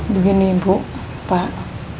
begini bu pak